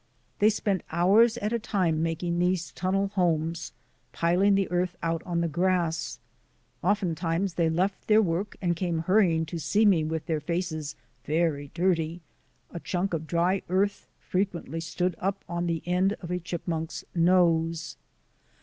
They spent hours at a time making these tunnel homes, piling the earth out on the grass. Ofttimes they left their work and came hurrying to see me with their faces very dirty; a chunk of dry earth frequently stood up on the end of a chip munk's nose.